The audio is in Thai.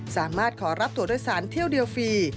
สามารถขอรับตัวโดยสารเที่ยวเดียวฟรี